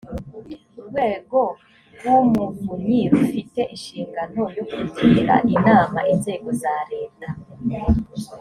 urwego rw umuvunyi rufite inshingano yo kugira inama inzego za leta